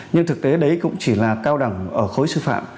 nhưng thực tế đấy cũng chỉ là cao đẳng ở khối sưu